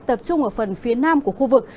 tập trung ở phần phía nam của khu vực